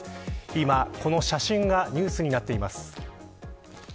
今この写真がニュースになっています。